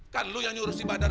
kan lo yang nyuruh si badar